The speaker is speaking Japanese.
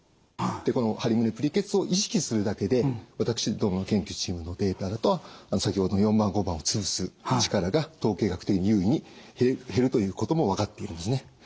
このハリ胸プリけつを意識するだけで私どもの研究チームのデータだと先ほどの４番５番をつぶす力が統計学的に有意に減るということも分かっているんですね。